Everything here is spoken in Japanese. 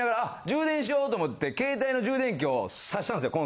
充電しようと思って携帯の充電器を挿したんですよ